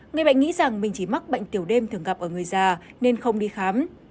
người bệnh nghĩ rằng mình chỉ mắc bệnh tiểu đêm thường gặp ở người già nên không đi khám